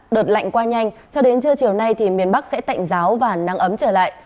đợt lạnh qua nhanh cho đến trưa chiều nay thì miền bắc sẽ tạnh giáo và nắng ấm trở lại